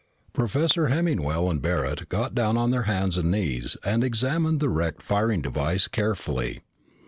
Professor Hemmingwell and Barret got down on their hands and knees and examined the wrecked firing device carefully.